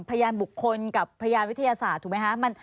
พยานบุคคลกับพยานวิทยาศาสตร์ถูกไหมคะ